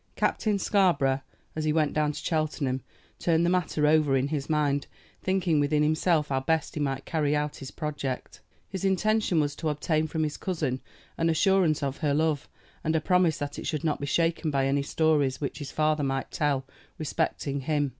Captain Scarborough, as he went down to Cheltenham, turned the matter over in his mind, thinking within himself how best he might carry out his project. His intention was to obtain from his cousin an assurance of her love, and a promise that it should not be shaken by any stories which his father might tell respecting him.